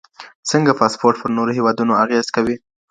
څنګه پاسپورت پر نورو هیوادونو اغیز کوي؟